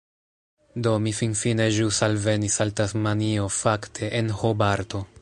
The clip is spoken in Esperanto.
Do, mi finfine ĵus alvenis al Tasmanio fakte, en Hobarto.